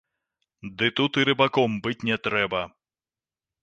Ды тут і рыбаком быць не трэба.